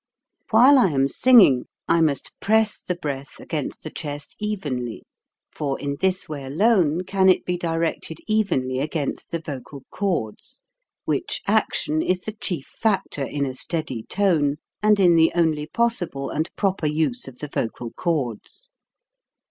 While I am singing, I must press the breath against the chest evenly, for in this way alone can it be directed evenly against the vocal cords, which action is the chief factor in a steady tone and in the only possible and proper use of the vocal cords.